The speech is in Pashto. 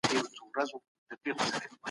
تاسو بايد د خپلې ټولنې د پرمختګ لپاره فکر وکړئ.